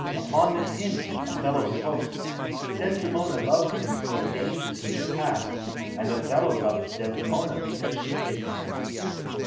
Upon this hint, Othello spoke. Desdemona loved him for the dangers he had passed, and Othello loved Desdemona because she pitied him.